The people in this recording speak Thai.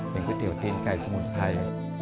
เป็นก๋วยเตี๋ยวตีนไก่สมุนไพร